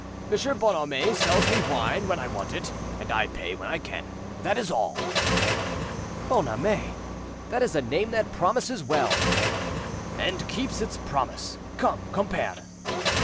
M. Bonhomet sells me wine when I want it, and I pay when I can; that is all." "Bonhomet! that is a name that promises well." "And keeps its promise. Come, compère."